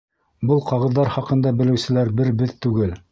Был ҡағыҙҙар хаҡында белеүселәр бер беҙ түгел.